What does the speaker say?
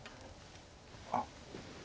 あっ。